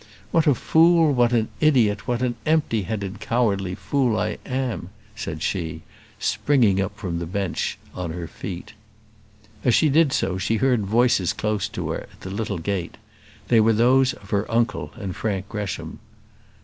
"What a fool! what an idiot! what an empty headed cowardly fool I am!" said she, springing up from the bench on her feet. As she did so, she heard voices close to her, at the little gate. They were those of her uncle and Frank Gresham.